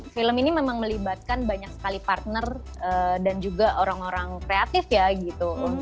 film ini memang melibatkan banyak sekali partner dan juga orang orang kreatif ya gitu